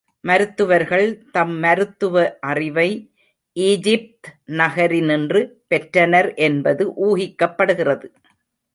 மருத்துவர்கள் தம் மருத்துவ அறிவை, ஈஜிப்த் நகரினின்று பெற்றனர் என்பது ஊகிக்கப்படுகிறது.